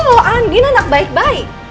oh andin anak baik baik